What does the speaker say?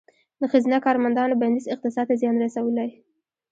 د ښځینه کارمندانو بندیز اقتصاد ته زیان رسولی؟